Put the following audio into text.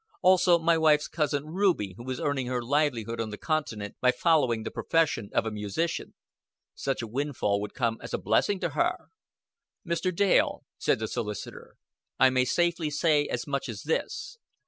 Also my wife's cousin Ruby, who is earning her livelihood on the continent by following the profession of a musician. Such a windfall would come as a blessing to her." "Mr. Dale," said the solicitor, "I may safely say as much as this.